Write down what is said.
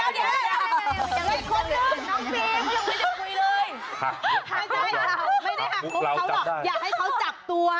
ไม่ได้หากครบตรงเค้าหรอกอยากให้เค้าจับตัว